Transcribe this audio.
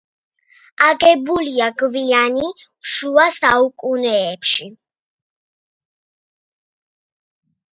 აგებულია გვიანი შუა საუკუნეებში.